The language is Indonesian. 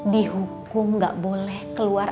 dihukum gak boleh keluar